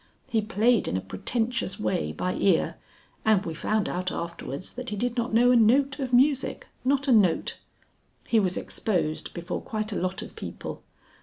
He played in a pretentious way by ear, and we found out afterwards that he did not know a note of music not a note. He was exposed before quite a lot of people.